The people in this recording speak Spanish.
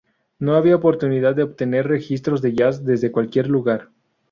No había oportunidad de obtener registros de jazz desde cualquier lugar.